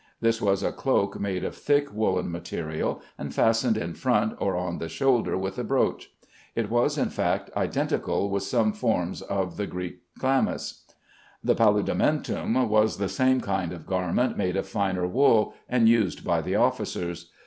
This was a cloak made of thick woollen material, and fastened in front or on the shoulder with a brooch. It was, in fact, identical with some forms of the Greek chlamys. The "paludamentum" was the same kind of garment, made of finer wool, and used by the officers.